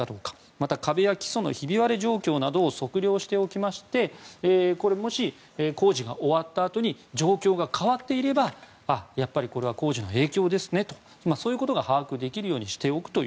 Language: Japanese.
また壁や基礎のひび割れ状況を測量しておきましてもし工事が終わったあとに状況が変わっていればやっぱり工事の影響ですねとそういうことが把握できるようにしておくと。